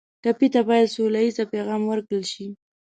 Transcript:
ټپي ته باید سوله ییز پیغام ورکړل شي.